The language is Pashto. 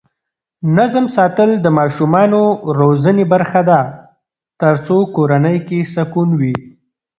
نظم ساتل د ماشومانو روزنې برخه ده ترڅو کورنۍ کې سکون وي.